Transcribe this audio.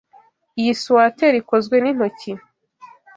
Iyi swater ikozwe n'intoki.